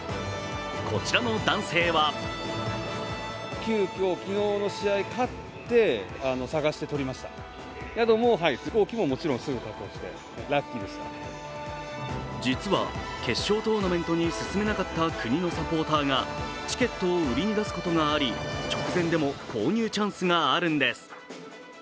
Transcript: こちらの男性は実は決勝トーナメントに進めなかった国のサポーターがチケットを売りに出すことがあり直前でも購入チャンスがあるんです。